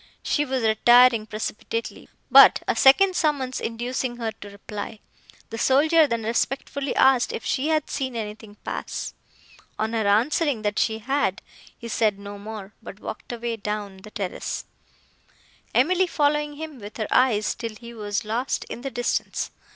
She was retiring precipitately, but, a second summons inducing her to reply, the soldier then respectfully asked if she had seen anything pass. On her answering, that she had; he said no more, but walked away down the terrace, Emily following him with her eyes, till he was lost in the distance.